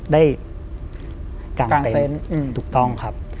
กลางเต็นต์ถูกต้องครับ